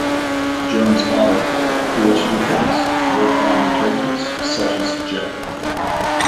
Jones' father, a PhD chemist, worked on detergents such as Jif.